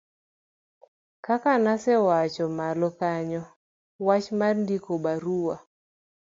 kaka nasewacho malo kanyo wach mar ndiko barua